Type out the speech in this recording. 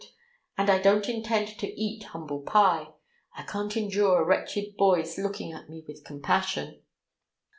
. and I don't intend to eat humble pie. ... I can't endure a wretched boy's looking at me with compassion."